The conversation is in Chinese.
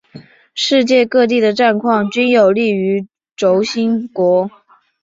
世界各地的战况均有利于轴心国。